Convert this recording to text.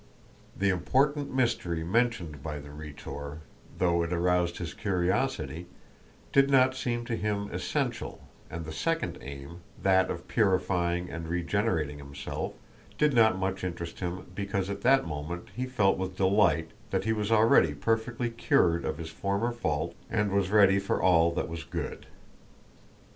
The important mystery mentioned by the Rhetor, though it aroused his curiosity, did not seem to him essential, and the second aim, that of purifying and regenerating himself, did not much interest him because at that moment he felt with delight that he was already perfectly cured of his former faults and was ready for all that was good.